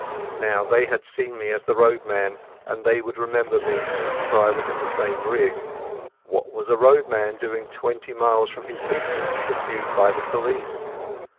Now, they had seen me as the roadman, and they would remember me, for I was in the same rig. What was a roadman doing twenty miles from his beat, pursued by the police?